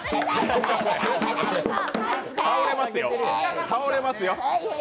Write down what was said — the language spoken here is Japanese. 倒れますよ、４７歳、倒れますよ。